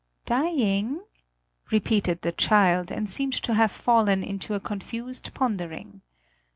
"Dying!" repeated the child, and seemed to have fallen, into a confused pondering.